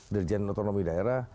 dirjen otonomi daerah